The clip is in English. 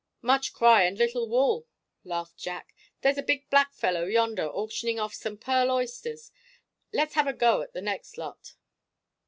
"Much cry and little wool," laughed Jack. "There's a big black fellow yonder auctioning off some pearl oysters; let's have a go at the next lot."